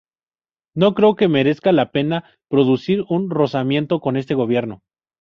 No creo que merezca la pena producir un rozamiento con ese Gobierno...".